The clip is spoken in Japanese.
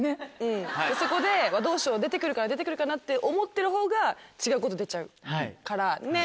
そこで「どうしよう出てくるかな出てくるかな」って思ってる方が違うこと出ちゃうからねっ。